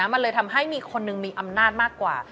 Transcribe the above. มันเลยทำให้มีคนหนึ่งมีอำนาจมากกว่า